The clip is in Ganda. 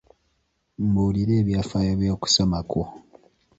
Mbuulira ebyafaayo by'okusoma kwo.